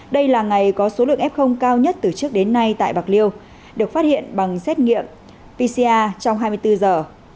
đây là ngày có số lượng f cao nhất từ trước đến nay tại bạc liêu được phát hiện bằng xét nghiệm pcr trong hai mươi bốn giờ